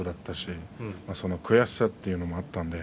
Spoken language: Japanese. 悔しさというのもありました。